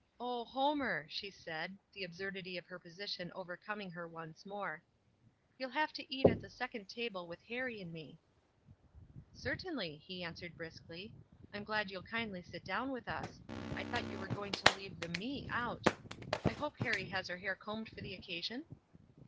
"O Homer!" she said, the absurdity of her position overcoming her once more. "You'll have to eat at the second table with Harrie and me." "Certainly," he answered, briskly. "I'm glad you'll kindly sit down with us. I thought you were going to leave the ' me ' out. I hope Harrie has her hair combed for the occasion?"